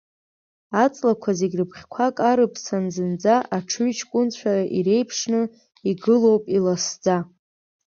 Аҵлақәа зегь рыбӷьқәа карыԥсан зынӡа, аҽыҩҷкәынцәа иреиԥшны, игылоуп иласӡа!